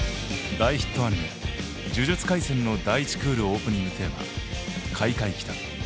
大ヒットアニメ「呪術廻戦」の第１クールオープニングテーマ「廻廻奇譚」。